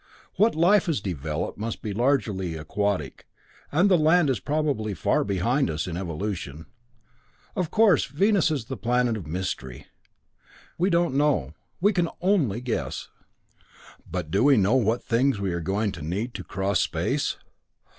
What life has developed must be largely aquatic, and the land is probably far behind us in evolution. Of course, Venus is the planet of mystery we don't know; we can only guess. But we do know what things we are going to need to cross space.